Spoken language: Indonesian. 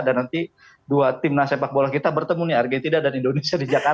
dan nanti dua tim nasibak bola kita bertemu nih argentina dan indonesia di jakarta